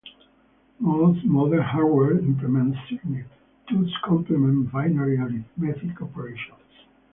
Most modern hardware implements signed Two's complement binary arithmetic operations.